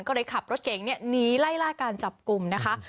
ก็เลยขับรถเกงนี้นี่ไล่ล่ายการการจับกลุ่มนะคะ